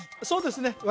そうですね